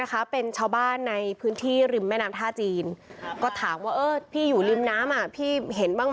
เป็นชาวบ้านในพื้นที่ริมแม่น้ำท่าจีนก็ถามว่าเออพี่อยู่ริมน้ำอ่ะพี่เห็นบ้าง